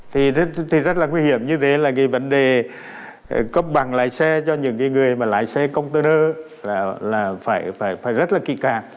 thì rất là nguy hiểm như thế là cái vấn đề cấp bằng lái xe cho những cái người mà lái xe công tơ đơ là phải rất là kỳ càng